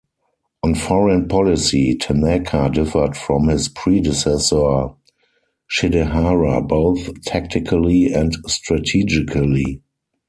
On foreign policy, Tanaka differed from his predecessor Shidehara both tactically and strategically.